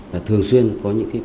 và thường xuyên có những việc tụ tập